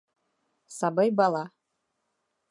Сабый бала.